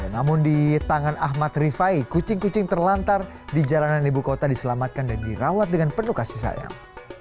namun di tangan ahmad rifai kucing kucing terlantar di jalanan ibu kota diselamatkan dan dirawat dengan penuh kasih sayang